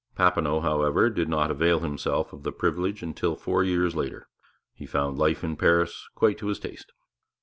Papineau, however, did not avail himself of the privilege until four years later; he found life in Paris quite to his taste.